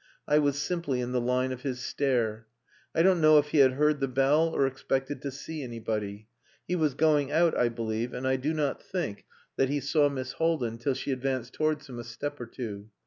I was simply in the line of his stare. I don't know if he had heard the bell or expected to see anybody. He was going out, I believe, and I do not think that he saw Miss Haldin till she advanced towards him a step or two.